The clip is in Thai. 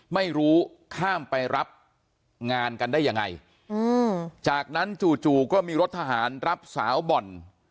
ไม่รู้ข้ามไปรับงานกันได้ยังไงอืมจากนั้นจู่จู่ก็มีรถทหารรับสาวบ่อน